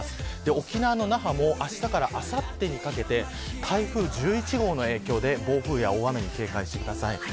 沖縄・那覇もあしたからあさってにかけて台風１１号の影響で暴風や大雨に警戒してください。